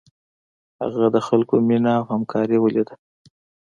هغه د خلکو مینه او همکاري ولیده.